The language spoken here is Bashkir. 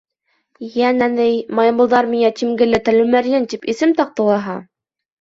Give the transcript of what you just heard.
— Йәнә... ней, маймылдар миңә «тимгелле тәлмәрйен» тип исем таҡты лаһа!